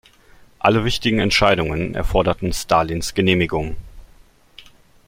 Alle wichtigen Entscheidungen erforderten Stalins Genehmigung.